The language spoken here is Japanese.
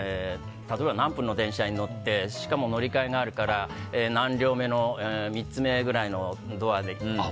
例えば何分の電車に乗って乗り換えがあるから何両目の３つ目くらいのドアで。